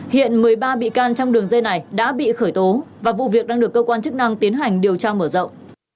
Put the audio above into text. hiện một mươi ba bị can trong đường dây này đã bị khởi tố và vụ việc đang được cơ quan chức năng tiến hành điều tra mở rộng